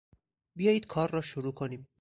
بیایید کار را شروع کنیم!